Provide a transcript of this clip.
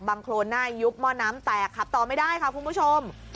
โครนหน้ายุบหม้อน้ำแตกขับต่อไม่ได้ค่ะคุณผู้ชม